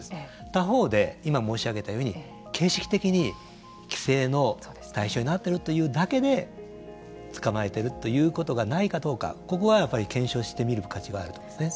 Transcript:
他方で、今、申し上げたように形式的に規制の対象になっているというだけで捕まえてるということがないかどうかここは検証してみる価値があると思いますね。